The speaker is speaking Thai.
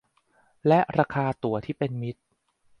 และราคาตั๋วที่เป็นมิตร